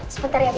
sebentar ya ibu